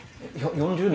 ４０年？